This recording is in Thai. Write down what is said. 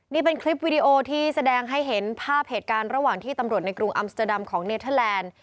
นี่เป็นคลิปวิดีโอที่แสดงให้เห็นภาพเหตุการณ์ระหว่างที่ตำรวจในกรุงอัมสเตอร์ดัมของเนเทอร์แลนด์